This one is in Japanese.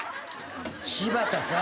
柴田さん。